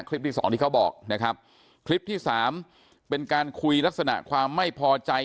ที่สองที่เขาบอกนะครับคลิปที่สามเป็นการคุยลักษณะความไม่พอใจ